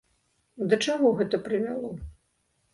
Да чаго гэта прывяло?